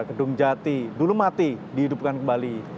gedung jati dulu mati dihidupkan kembali